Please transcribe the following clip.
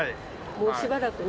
もうしばらくね。